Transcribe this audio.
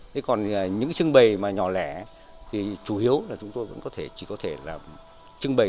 thế còn những trưng bày mà nhỏ lẻ thì chủ yếu là chúng tôi chỉ có thể trưng bày